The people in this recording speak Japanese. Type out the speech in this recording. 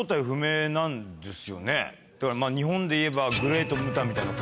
だから日本でいえばグレート・ムタみたいなことですよね。